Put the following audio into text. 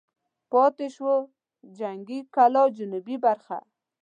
پاتې شوه د جنګي کلا جنوبي برخه.